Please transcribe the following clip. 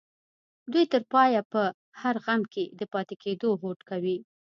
دوی تر پايه په هر غم کې د پاتې کېدو هوډ کوي.